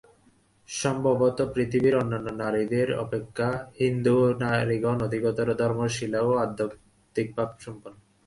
সম্ভবত পৃথিবীর অন্যান্য নারীদের অপেক্ষা হিন্দু নারীগণ অধিকতর ধর্মশীলা ও আধ্যাত্মিকভাবসম্পন্না।